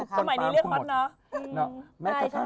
สมัยนี้เรียกฮอตเนอะ